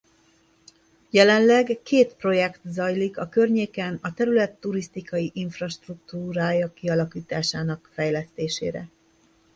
Jelenleg két projekt zajlik a környéken a terület turisztikai infrastruktúrája kialakításának fejlesztésére.